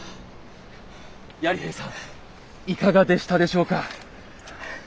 やり兵さんいかがでしたでしょうか。